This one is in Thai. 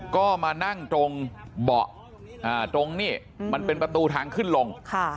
ก็มานั่งตรงเบาะตรงนี้มันเป็นประตูทางขึ้นลง